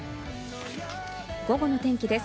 午後の天気です。